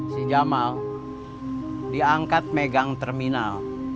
si jamal diangkat megang terminal